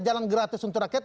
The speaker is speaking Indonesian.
jalan gratis untuk rakyat